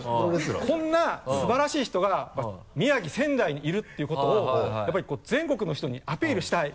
こんな素晴らしい人が宮城仙台にいるっていうことをやっぱりこう全国の人にアピールしたい。